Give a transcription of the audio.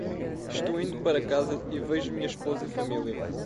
Estou indo para casa e vejo minha esposa e família.